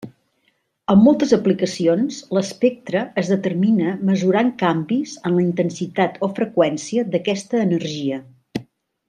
En moltes aplicacions l'espectre es determina mesurant canvis en la intensitat o freqüència d'aquesta energia.